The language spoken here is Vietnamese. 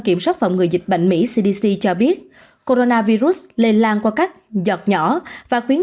kiểm soát phòng người dịch bệnh mỹ cho biết coronavirus lây lan qua các giọt nhỏ và khuyến